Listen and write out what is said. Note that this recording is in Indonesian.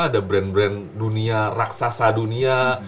ada brand brand dunia raksasa dunia